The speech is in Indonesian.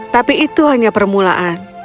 tapi itu hanya permulaan